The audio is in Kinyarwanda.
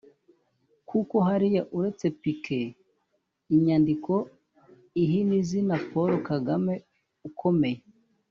Kuko hariya uretse pk (inyandiko ihina izina Paul Kagame) ukomeye